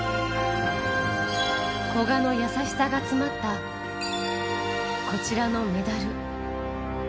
古賀の優しさが詰まった、こちらのメダル。